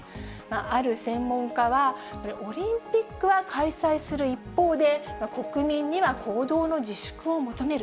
ある専門家は、オリンピックは開催する一方で、国民には行動の自粛を求める。